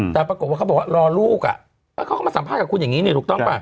แต่ปรากฏว่าเขาบอกว่ารอลูกเขาก็มาสัมภาษณ์กับคุณอย่างนี้นี่ถูกต้องป่ะ